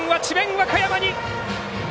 和歌山に。